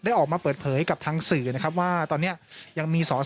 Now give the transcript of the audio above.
ออกมาเปิดเผยกับทางสื่อนะครับว่าตอนนี้ยังมีสอสอ